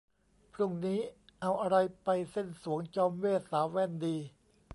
พรุ่งนี้เอาอะไรไปเซ่นสรวงจอมเวทย์สาวแว่นดี ?